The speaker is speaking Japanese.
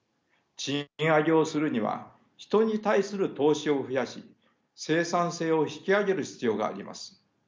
賃上げをするには人に対する投資を増やし生産性を引き上げる必要があります。